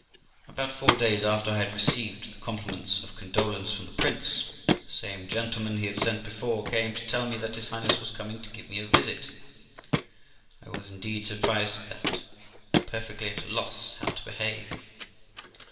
About four days after I had received the compliments of condolence from the Prince , the same gentleman he had sent before came to tell me that his Highness was coming to give me a visit. I was indeed sur prised at that, and perfectly at a loss how to behave.